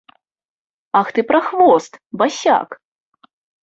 Ах ты, прахвост, басяк.